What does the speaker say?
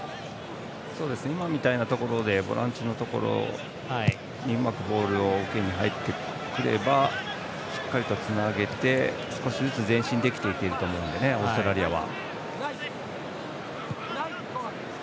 今みたいなところでボランチのところにうまくボールを受けに入ってくれればしっかりとつなげて少しずつ前進できると思うのでオーストラリアは。